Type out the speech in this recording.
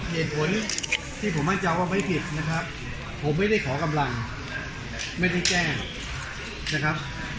เหตุผลที่ผมมั่นใจว่าไม่ผิดนะครับผมไม่ได้ขอกำลังไม่ได้แจ้งนะครับ